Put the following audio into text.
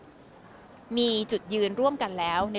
แต่เสียหายไปถึงบุคคลที่ไม่เกี่ยวข้องด้วย